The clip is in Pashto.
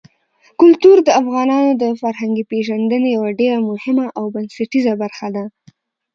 کلتور د افغانانو د فرهنګي پیژندنې یوه ډېره مهمه او بنسټیزه برخه ده.